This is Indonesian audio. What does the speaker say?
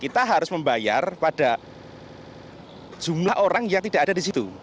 kita harus membayar pada jumlah orang yang tidak ada di situ